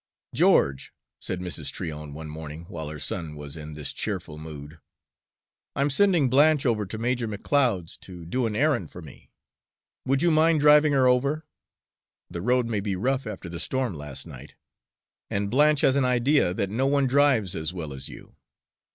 "George," said Mrs. Tryon one morning while her son was in this cheerful mood, "I'm sending Blanche over to Major McLeod's to do an errand for me. Would you mind driving her over? The road may be rough after the storm last night, and Blanche has an idea that no one drives so well as you."